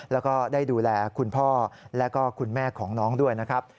แล้วก็ได้ดูแลคุณพ่อแล้วก็คุณแม่ของน้องด้วยนะครับ